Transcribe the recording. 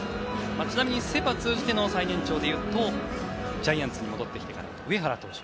ちなみにセ・パ通じての最年長でいうとジャイアンツに戻ってきてから上原投手。